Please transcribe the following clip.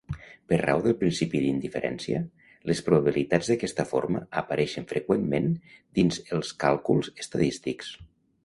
Per raó del principi d'indiferència, les probabilitats d'aquesta forma apareixen freqüentment dins els càlculs estadístics.